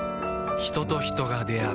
人と人が出会う